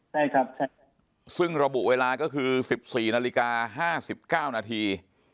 ใช่ครับซึ่งระบุเวลาก็คือ๑๔นาฬิกา๕๙นาที